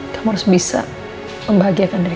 kamu harus bisa membahagiakan diri kamu sendiri